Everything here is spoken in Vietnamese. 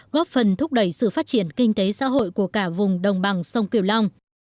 góp phần thúc đẩy sự phát triển kinh tế xã hội của cả vùng đồng bằng sông kiều long